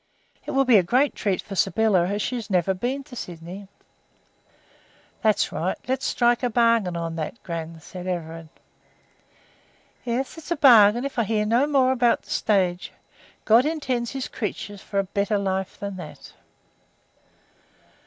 It will be a great treat for Sybylla as she has never been in Sydney." "That's right, let's strike a bargain on that, gran," said Everard. "Yes; it's a bargain, if I hear no more about the stage. God intends His creatures for a better life than that."